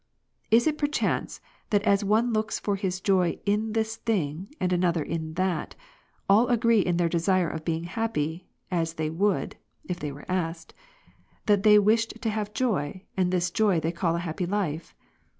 Is it perchance, that as one looks for his joy in this thing, another in that, all agree in their desire of being happy, as they would, (if they were asked,) that they wished to have joy, and this joy they call a happy life